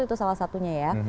itu salah satunya ya